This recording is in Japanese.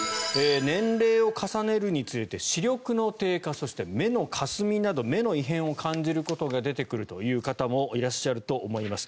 年齢を重ねるにつれて視力の低下そして、目のかすみなど目の異変を感じることが出てくるという方もいらっしゃると思います。